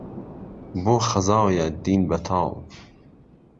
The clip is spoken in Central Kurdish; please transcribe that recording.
بۆ خهزایه دین بهتاڵ